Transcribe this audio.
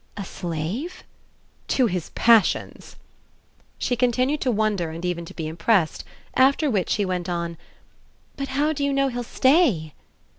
"A slave?" "To his passions." She continued to wonder and even to be impressed; after which she went on: "But how do you know he'll stay?"